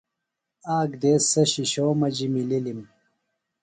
آک دیس سےۡ شِشو مجیۡ مِلِلم۔